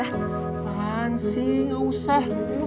tahan sih gak usah